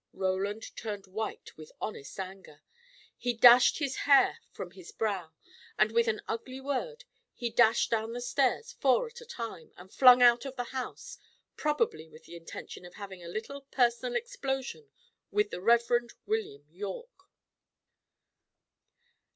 Roland turned white with honest anger. He dashed his hair from his brow, and with an ugly word, he dashed down the stairs four at a time, and flung out of the house; probably with the intention of having a little personal explosion with the Reverend William Yorke.